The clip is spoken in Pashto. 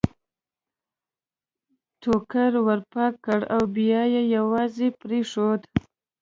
ټوکر ور پاک کړ او بیا یې یوازې پرېښود.